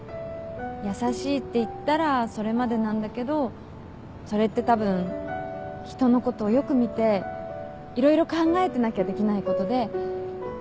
優しいって言ったらそれまでなんだけどそれってたぶん人のことをよく見て色々考えてなきゃできないことで。